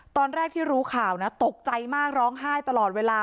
ตอนแรกที่รู้ข่าวนะตกใจมากร้องไห้ตลอดเวลา